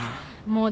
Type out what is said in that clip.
もう。